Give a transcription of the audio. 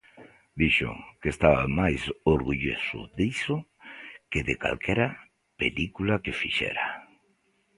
Dixo que estaba máis orgulloso diso que de calquera película que fixera.